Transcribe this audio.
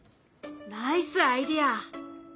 ナイスアイデア！